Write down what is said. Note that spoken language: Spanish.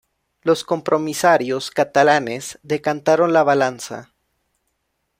Los compromisarios catalanes decantaron la balanza.